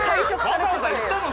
「わざわざ行ったの？